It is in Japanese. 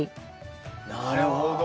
なるほど。